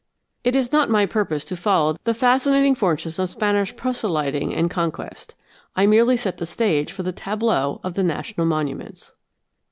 It is not my purpose to follow the fascinating fortunes of Spanish proselyting and conquest. I merely set the stage for the tableaux of the national monuments.